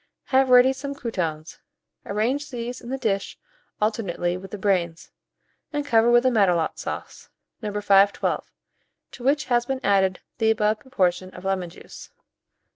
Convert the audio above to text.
Have ready some croûtons; arrange these in the dish alternately with the brains, and cover with a matelote sauce, No. 512, to which has been added the above proportion of lemon juice.